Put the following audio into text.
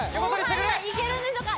後輩はいけるんでしょうか？